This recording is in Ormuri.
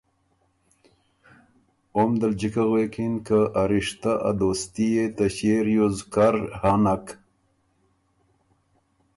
اوم دل جکه غوېکِن که ا رِشته ا دوستي يې ته ݭيې ریوز کر هۀ نک۔